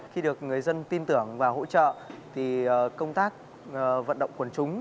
khi được người dân tin tưởng và hỗ trợ thì công tác vận động quần chúng